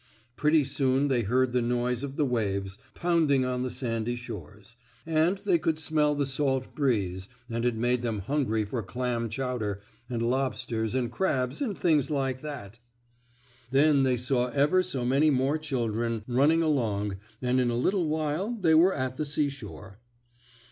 Pretty soon they heard the noise of the waves pounding on the sandy shores, and they could smell the salt breeze and it made them hungry for clam chowder and lobsters and crabs and things like that. Then they saw ever so many more children running along and in a little while they were at the seashore.